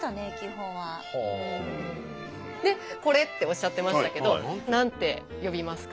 「これ」っておっしゃってましたけど何て呼びますか？